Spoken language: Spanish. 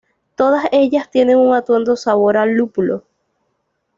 Todas ellas tienen un atenuado sabor a lúpulo.